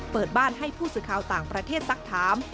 เปิดบ้านให้ผู้สื่อข่าวต่างประเทศสักถาม